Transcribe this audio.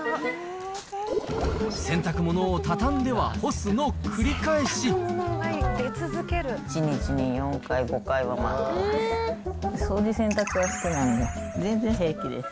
洗濯物を畳んでは干すの繰り返し１日に４回、５回は回ってます。